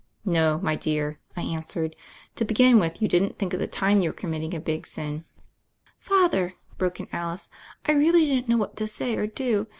"No, my dear," I answered : "to begin with, you didn't think at the time you ^trt com mitting a big sin " "Father," broke in Alice, "I really didn't know what to say or do.